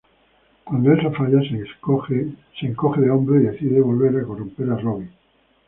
Cuando eso falla, se encoge de hombros y decide volver a corromper a Robbie.